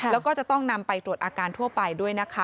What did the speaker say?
แล้วก็จะต้องนำไปตรวจอาการทั่วไปด้วยนะคะ